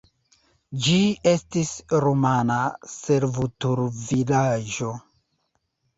Ĝi estis rumana servutulvilaĝo.